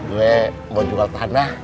gua mau jual tanah